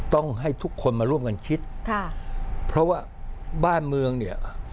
ต้องให้ทุกคนมาร่วมกันคิดค่ะเพราะว่าบ้านเมืองเนี่ย